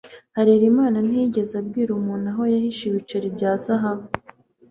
Harerimana ntiyigeze abwira umuntu aho yahishe ibiceri bya zahabu